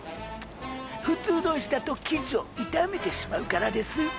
普通の石だと生地を傷めてしまうからです。